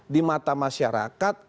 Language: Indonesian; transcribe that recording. di mata masyarakat